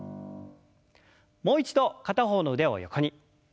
もう一度片方の腕を横に。